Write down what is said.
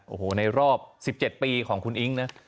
โอ้โหในรอบ๑๗ปีของคุณอิ๊งนะ